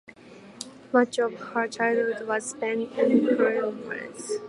Much of her childhood was spent in Quilmes.